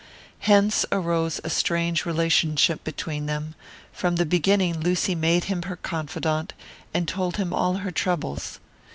Hence arose a strange relationship between them; from the beginning Lucy made him her confidant, and told him all her troubles.